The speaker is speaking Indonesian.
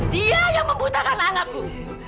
dia yang membutakan anakku